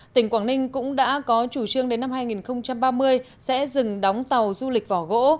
tỉnh quảng ninh cũng đã có chủ trương đến năm hai nghìn ba mươi sẽ dừng đóng tàu du lịch vỏ gỗ